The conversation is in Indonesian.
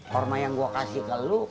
hormah yang gua kasih ke lu